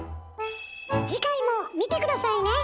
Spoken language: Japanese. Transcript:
次回も見て下さいね！